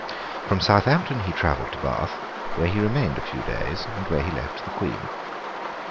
From Southampton he travelled to Bath, where he remained a few days, and where he left the Queen.